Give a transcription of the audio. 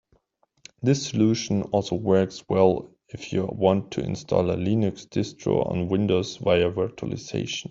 This solution also works well if you want to install a Linux distro on Windows via virtualization.